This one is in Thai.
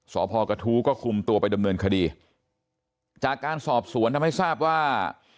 สพกระทู้ก็คุมตัวไปดำเนินคดีจากการสอบสวนทำให้ทราบว่า